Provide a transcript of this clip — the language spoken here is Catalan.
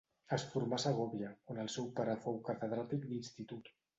Es formà a Segòvia, on el seu pare fou catedràtic d'institut.